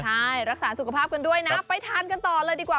ใช่รักษาสุขภาพกันด้วยนะ